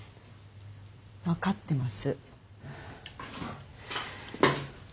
分かってます。